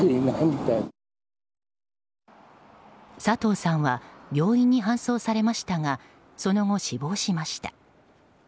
佐藤さんは病院に搬送されましたがその後、死亡しました。